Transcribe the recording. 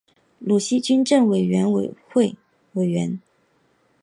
鲁西军政委员会委员。